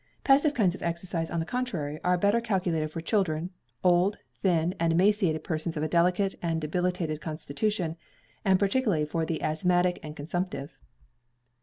Passive kinds of exercise, on the contrary, are better calculated for children; old, thin, and emaciated persons of a delicate and debilitated constitution; and particularly for the asthmatic and consumptive.